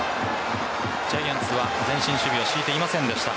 ジャイアンツは前進守備を敷いていませんでした。